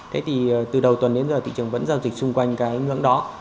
thế thì từ đầu tuần đến giờ thị trường vẫn giao dịch xung quanh cái ngưỡng đó